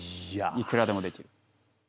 いくらでもできる。